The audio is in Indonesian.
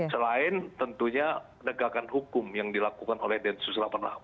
selain tentunya penegakan hukum yang dilakukan oleh densus delapan puluh delapan